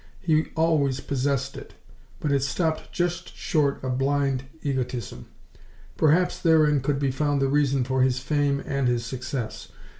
He always possessed it, but it stopped just short of blind egotism. Perhaps therein could be found the reason for his fame and his success.